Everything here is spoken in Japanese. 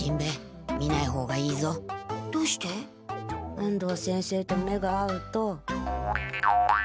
安藤先生と目が合うと。